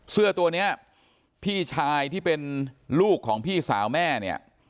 เสื้อตัวนี้พี่ชายที่เป็นลูกของพี่สาวแม่เนี่ย